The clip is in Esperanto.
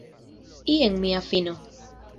Jen mia fino!